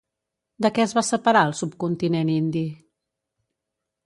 De què es va separar el subcontinent indi?